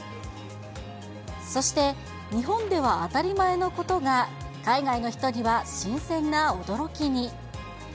そして日本では当たり前のことが、海外の人には新鮮な驚きに。